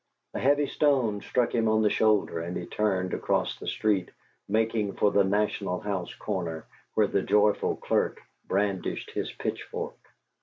A heavy stone struck him on the shoulder and he turned across the street, making for the "National House" corner, where the joyful clerk brandished his pitchfork.